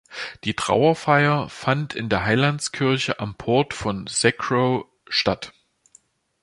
Die Trauerfeier fand in der Heilandskirche am Port von Sacrow statt.